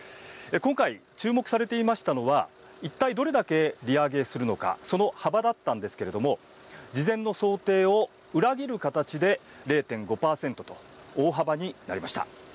今回、注目されていましたのは一体どれだけ利上げするのかその幅だったんですけれども事前の想定を裏切る形で０．５％と大幅になりました。